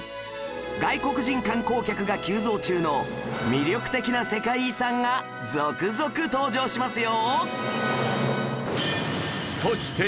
外国人観光客が急増中の魅力的な世界遺産が続々登場しますよ